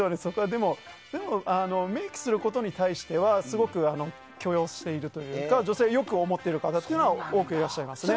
でも、メイクすることに対してはすごく許容しているというか女性でもよく思ってる方も多くいらっしゃいますね。